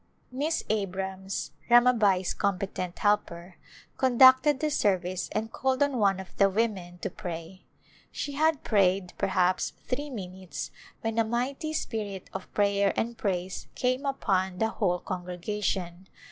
Miss Abrams, Ramabai's competent helper, con ducted the service and called on one of the women to pray. She had prayed, perhaps, three minutes when a mighty spirit of prayer and praise came upon the whole congregation.